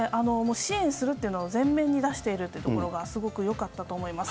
支援するのを前面に出しているというところがすごくよかったと思います。